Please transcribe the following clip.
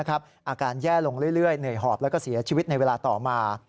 อาการแย่ลงเรื่อยเหนื่อยหอบแล้วก็เสียชีวิตในเวลาต่อมา